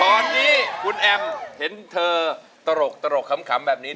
ตอนนี้คุณแอมเห็นเธอตลกขำแบบนี้